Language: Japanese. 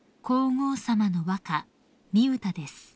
［皇后さまの和歌御歌です］